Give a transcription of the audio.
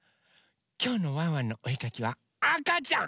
きょうの「ワンワンのおえかき」はあかちゃん！